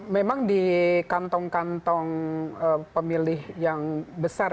memang di kantong kantong pemilih yang besar